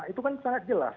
itu kan sangat jelas